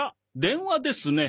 電話ですね。